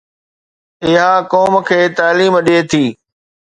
اها قوم کي تعليم ڏئي ٿي.